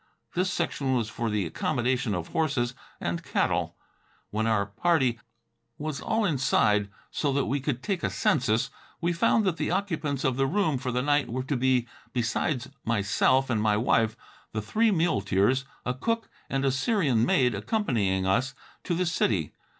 This section was for the accommodation of horses and cattle. When our party was all inside, so that we could take a census, we found that the occupants of the room for the night were to be, besides myself and my wife, the three muleteers, a cook and a Syrian maid accompanying us to the city.